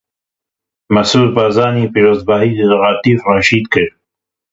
Mesrûr Barzanî pîrozbahî li Letîf Reşîd kir.